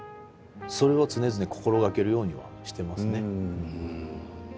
それを常々心がけるようにはしてますね。